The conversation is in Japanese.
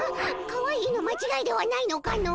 かわいいの間違いではないのかの？